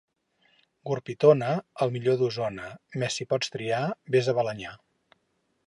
Gurb i Tona, el millor d'Osona; mes si pots triar, ves a Balenyà.